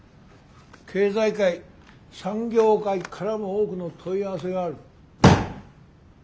経済界産業界からも多くの問い合わせがある。